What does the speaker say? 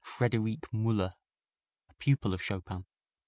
Friederike Muller, a pupil of Chopin.